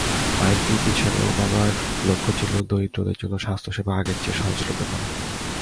আইনটির পেছনে ওবামার লক্ষ্য ছিল দরিদ্রদের জন্য স্বাস্থ্যসেবা আগের চেয়ে সহজলভ্য করা।